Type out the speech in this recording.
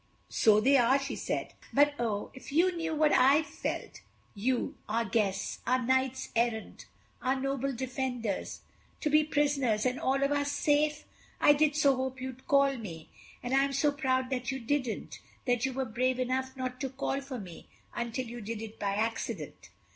"So they are," she said, "but oh, if you knew what I've felt—you, our guests, our knights errant, our noble defenders—to be prisoners and all of us safe. I did so hope you'd call me. And I'm so proud that you didn't—that you were brave enough not to call for me until you did it by accident."